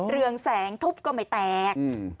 เรืองแสงทุบก็ไม่แตก